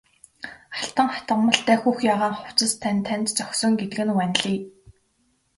Алтан хатгамалтай хөх ягаан хувцас тань танд зохисон гэдэг нь ванлий!